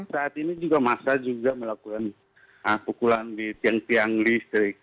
saat ini juga masa juga melakukan pukulan di tiang tiang listrik